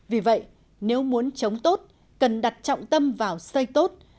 vì vậy nếu muốn chống tốt cần đặt trọng tâm vào xây tốt